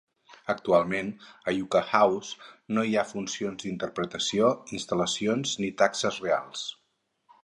Actualment, a Yucca House no hi ha funcions d'interpretació, instal·lacions ni taxes reals.